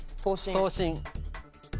送信。